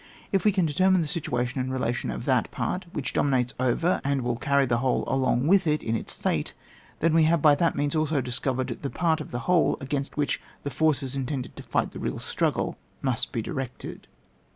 If we can determine the situa tion and relation of that part which dominates over and will carry the whole along with it in its fate, then we have by that means also discovered the part of the whole against which the forces in tended to fight the real struggle must be directed.